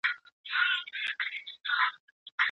او سپینبڼکي مارغان